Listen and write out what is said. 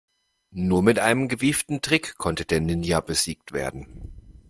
Nur mit einem gewieften Trick konnte der Ninja besiegt werden.